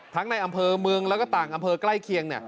ในอำเภอเมืองแล้วก็ต่างอำเภอใกล้เคียง